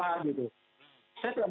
saya tidak merasa terwakili